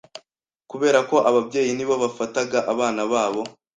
kubera ko ababyeyi nibo bafataga abana babo,